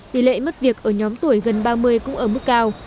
tỷ lệ mất việc ở nhóm tuổi gần ba mươi cũng ở mức cao